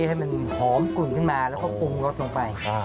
ให้มันหอมกลุ่นขึ้นมาแล้วก็ปรุงรสลงไป